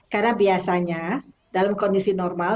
karena biasanya dalam kondisi normal